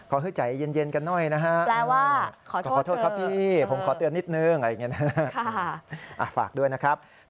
ให้ใจเย็นกันหน่อยนะฮะว่าขอโทษครับพี่ผมขอเตือนนิดนึงอะไรอย่างนี้นะครับฝากด้วยนะครับ